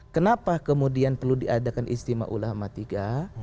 kenapa kemudian perlu diadakan istimewa ulama tiga